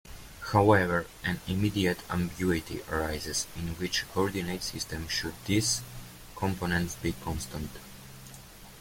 However, an immediate ambiguity arises: in "which" coordinate system should these components be constant?